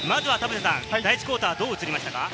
第１クオーター、どう映りましたか？